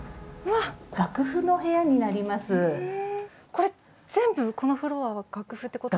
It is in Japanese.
これ全部このフロアは楽譜ってことなんですか？